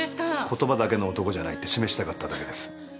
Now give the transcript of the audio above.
言葉だけの男じゃないって示したかっただけです。